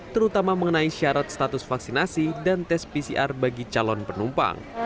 terutama mengenai syarat status vaksinasi dan tes pcr bagi calon penumpang